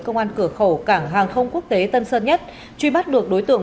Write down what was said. công an cửa khẩu cảng hàng không quốc tế tân sơn nhất truy bắt được đối tượng